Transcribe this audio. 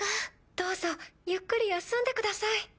どうぞゆっくり休んでください。